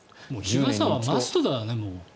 日傘はマストだよね。